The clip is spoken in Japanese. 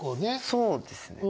そうですね。